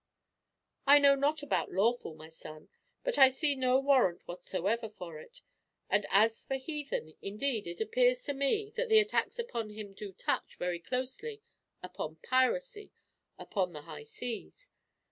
"I know not about lawful, my son, but I see no warrant whatsoever for it; and as for heathen, indeed, it appears to me that the attacks upon him do touch, very closely, upon piracy upon the high seas.